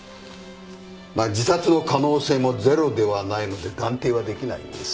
まあ自殺の可能性もゼロではないので断定はできないんですが。